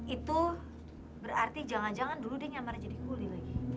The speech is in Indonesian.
itu berarti jangan jangan dulu dia nyamar jadi guli lagi